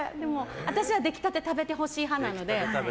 私は出来たてを食べてほしい派なので。